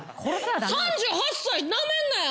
３８歳ナメんなよ！